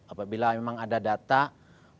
apabila memang ada data yang berbeda